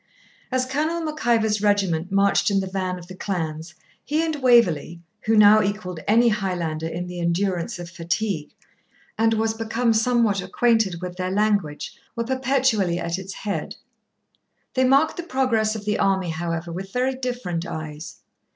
As Colonel Mac Ivor's regiment marched in the van of the clans, he and Waverley, who now equalled any Highlander in the endurance of fatigue, and was become somewhat acquainted with their language, were perpetually at its head. They marked the progress of the army, however, with very different eyes.